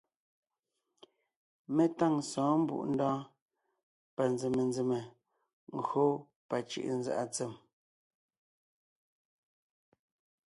Mé táŋ sɔ̌ɔn Mbùʼndɔɔn panzèmenzème gÿó pacʉ̀ʼʉnzàʼa tsem.